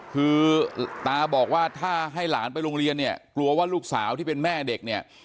คือตาบอกว่าถ้าให้หลานไปโรงเรียนเนี่ยกลัวว่าลูกสาวที่เป็นแม่เด็กเนี่ย